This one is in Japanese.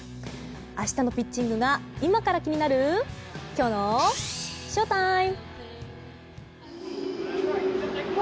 明日のピッチングが今から気になるきょうのＳＨＯＴＩＭＥ。